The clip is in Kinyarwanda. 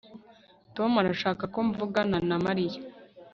Tom arashaka ko mvugana na Mariya